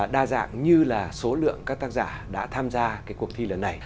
đa dạng như là số lượng các tác giả đã tham gia cuộc thi lần này